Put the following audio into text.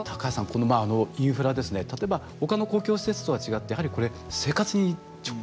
このインフラですね例えばほかの公共施設とは違ってやはりこれ生活に直結してると。